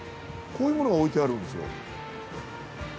こういうものが置いてあるんですよ。